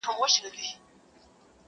چي تلو تلو کي معنا ستا د کتو اوړي.